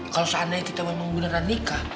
kalau seandainya kita memang beneran nikah